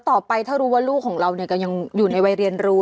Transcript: ต่อไปถ้ารู้ว่าลูกของเราก็ยังอยู่ในวัยเรียนรู้